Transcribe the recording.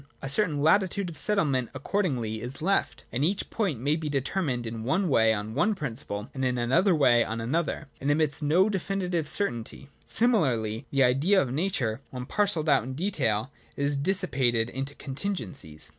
A certain latitude of settlement accordingly is left : and each point may be determined in one way on one principle, in another way on another, and admits of no definitive certainty. Similarly the Idea of Nature, when parcelled out in detail, is dissi pated into contingencies.